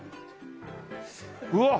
うわっ！